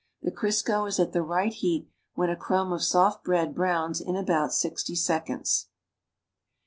The Crisco is at the right heat w hen a crumb of soft bread Ijrowns in about CO seconds.